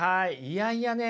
いやいやね